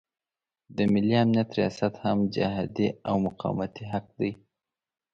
د ملي امنیت ریاست هم جهادي او مقاومتي حق دی.